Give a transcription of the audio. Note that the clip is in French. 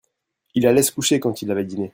il allait se coucher quand il avait diné.